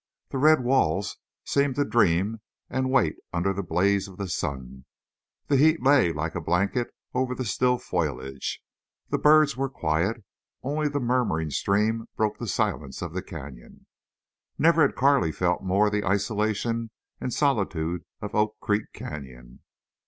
The red walls seemed to dream and wait under the blaze of the sun; the heat lay like a blanket over the still foliage; the birds were quiet; only the murmuring stream broke the silence of the canyon. Never had Carley felt more the isolation and solitude of Oak Creek Canyon.